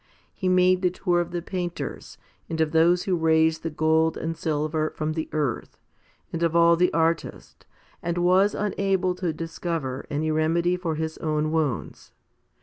He made the tour of the painters, and of those who raise the gold and silver from the earth, and of all the artists, and was unable to discover any remedy for his own wounds.